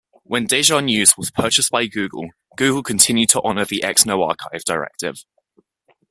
When DejaNews was purchased by Google, Google continued to honor the X-No-Archive directive.